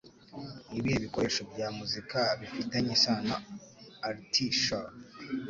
Nibihe bikoresho bya muzika bifitanye isano na Artie Shaw?